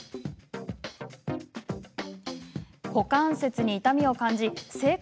股関節に痛みを感じ整骨